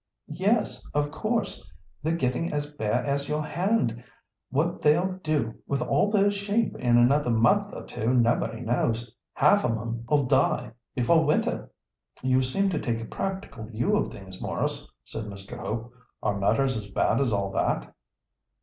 "Yes, of course; they're getting as bare as your hand. What they'll do with all those sheep in another month or two nobody knows. Half of 'em'll die before winter." "You seem to take a practical view of things, Maurice," said Mr. Hope. "Are matters as bad as all that?"